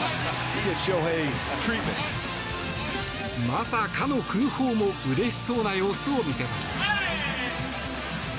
まさかの空砲も嬉しそうな様子を見せます。